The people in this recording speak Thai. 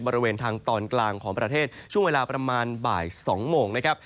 บริเวณทางตอนกลางของประเทศช่วงเวลาประมาณบ่าย๒โมงนะครับ